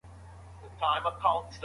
فارمسي پوهنځۍ په بیړه نه بشپړیږي.